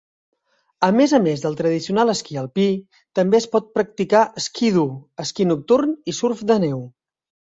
A més a més del tradicional esquí alpí, també es pot practicar ski-doo, esquí nocturn i surf de neu.